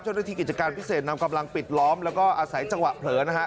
กิจการพิเศษนำกำลังปิดล้อมแล้วก็อาศัยจังหวะเผลอนะฮะ